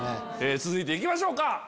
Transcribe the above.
続いて行きましょうか。